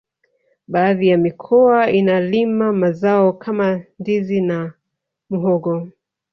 baadhi ya mikoa inalima mazao kama ndizi na muhogo